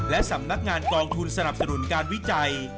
และสำนักงานกองทุนสนับสนุนการวิจัย